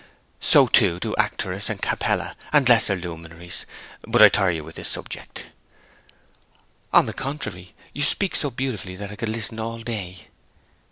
So, too, do Arcturus, and Capella, and lesser luminaries. ... But I tire you with this subject?' 'On the contrary, you speak so beautifully that I could listen all day.'